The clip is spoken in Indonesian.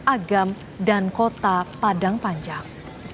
agam dan kota padang panjang